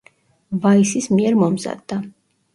ვაისის მიერ მომზადდა.